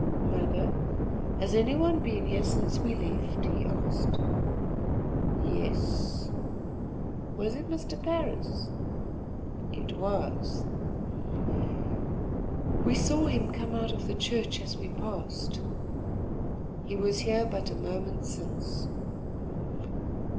"Mother, has any one been here since we left?" he asked. "Yes." "Was it Mr. Parris?" "It was." "We saw him come out of the church as we passed." "He was here but a moment since."